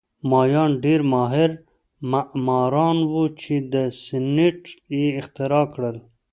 مایان ډېر ماهر معماران وو چې سیمنټ یې اختراع کړل